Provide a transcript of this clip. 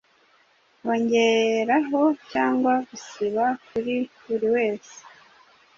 kongeraho cyangwa gusiba kuri buriwese